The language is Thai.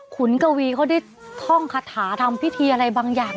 กวีเขาได้ท่องคาถาทำพิธีอะไรบางอย่าง